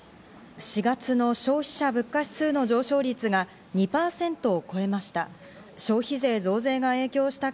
４月の消費者物価指数の上昇率が２％を超えました。